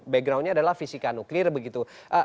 backgroundnya adalah fisika nuklir begitu